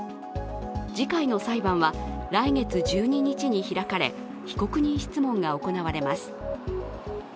次回の裁判は来月１２日に開かれ、被告人質問が行われます。